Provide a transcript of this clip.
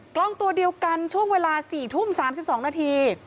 กล้องตัวเดียวกันช่วงเวลา๔ทุ่ม๓๒นาที